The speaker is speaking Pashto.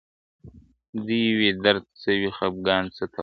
• دې وې درد څۀ وي خفګان څۀ ته وایي..